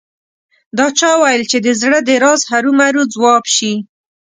دا چا ویل چې د زړه د راز هرو مرو ځواب شي